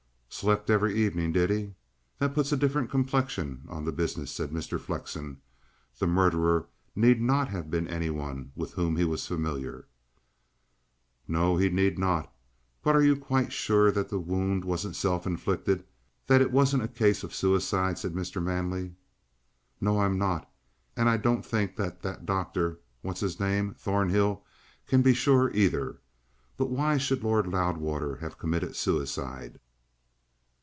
"Slept every evening, did he? That puts a different complexion on the business," said Mr. Flexen. "The murderer need not have been any one with whom he was familiar." "No. He need not. But are you quite sure that the wound wasn't self inflicted that it wasn't a case of suicide?" said Mr. Manley. "No, I'm not; and I don't think that that doctor what's his name? Thornhill can be sure either. But why should Lord Loudwater have committed suicide?"